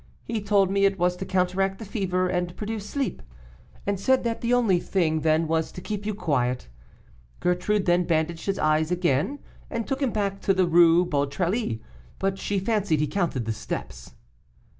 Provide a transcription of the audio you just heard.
He told me it was to counteract the fever and produce sleep, and said that the only thing then was to keep you quiet. Gertrude then bandaged his eyes again, and took him back to the Rue Beautrellis, but she fancied he counted the steps."